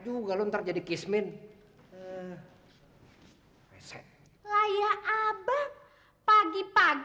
tidak ada apa apa